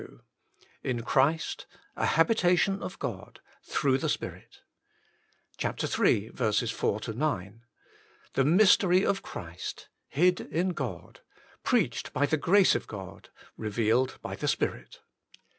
In Christ, a habitation of God, through the Spirit, iii. 4 9. The mystery of Christ, hid in God, preached by the Grace of God, revealed by the Spirit.